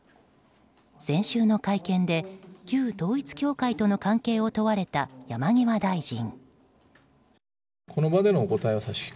先週の会見で旧統一教会との関係を問われた山際大臣。